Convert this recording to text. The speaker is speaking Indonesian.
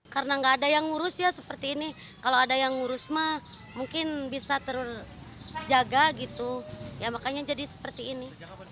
karena tidak ada yang mengurus seperti ini kalau ada yang mengurus mungkin bisa terjaga makanya jadi seperti ini